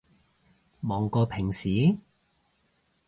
忙過平時？